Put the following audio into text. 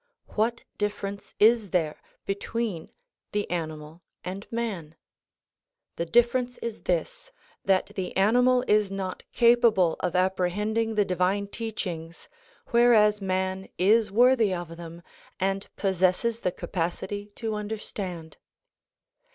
What difference is there between the animal and man? The difference is this; — that the animal is not capable of appre^ bending the divine teachings whereas man is worthy of them and possesses the capacity to understand.